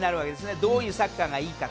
どういうサッカーがいいか。